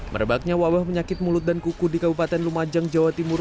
merebaknya wabah penyakit mulut dan kuku di kabupaten lumajang jawa timur